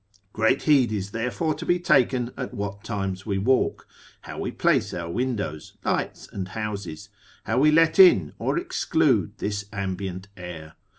Great heed is therefore to be taken at what times we walk, how we place our windows, lights, and houses, how we let in or exclude this ambient air.